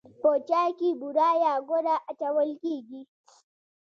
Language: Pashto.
په چای کې بوره یا ګوړه اچول کیږي.